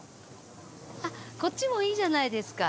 あっこっちもいいじゃないですか。